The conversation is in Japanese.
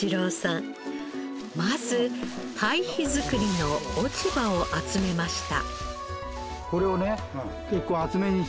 まず堆肥作りの落ち葉を集めました。